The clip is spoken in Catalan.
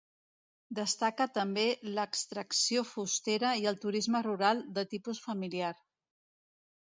Destaca també l'extracció fustera i el turisme rural de tipus familiar.